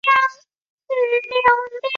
托普夫斯特是德国图林根州的一个市镇。